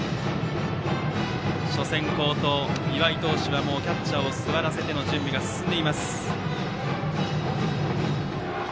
初戦、好投の岩井投手はキャッチャーを座らせての準備が進んでいます。